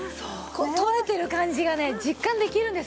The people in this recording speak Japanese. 取れてる感じがね実感できるんですよ。